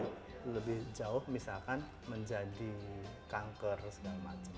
atau lebih jauh misalkan menjadi kanker segala macam